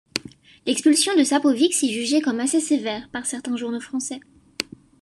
L'expulsion de Sapowicz est jugée comme assez sévère par certains journaux français.